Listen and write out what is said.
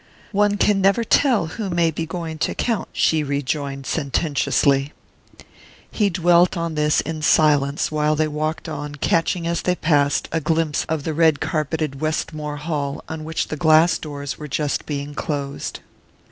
"One can never tell who may be going to count," she rejoined sententiously. He dwelt on this in silence while they walked on catching as they passed a glimpse of the red carpeted Westmore hall on which the glass doors were just being closed.